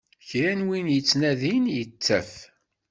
Kra n win yettnadin, yettaf.